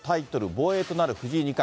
防衛となる藤井二冠。